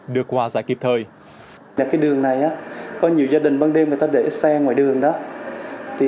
được hòa giải kịp thời là cái đường này á có nhiều gia đình ban đêm người ta để xe ngoài đường đó thì